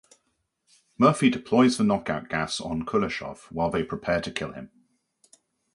Murphy deploys the knockout gas on Kuleshov while they prepare to kill him.